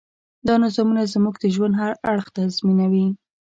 دا نظامونه زموږ د ژوند هر اړخ تنظیموي.